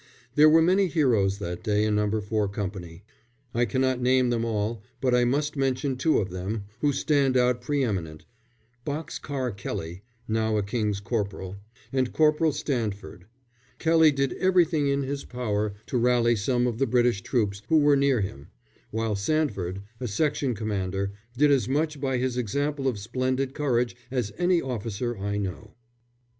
There were many heroes that day in No. 4 Company. I cannot name them all, but I must mention two of them who stand out pre eminent "Box car" Kelly (now a King's Corporal), and Corporal Sandford. Kelly did everything in his power to rally some of the British troops who were near him, while Sandford, a section commander, did as much by his example of splendid courage as any officer I know.